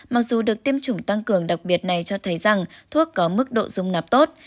mặc dù được tiêm chủng tăng cường đặc biệt này cho thấy rằng thuốc có mức độ dung nạp tốt